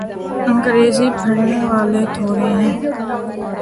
انگریزی پڑھنے والے تھوڑے ہیں۔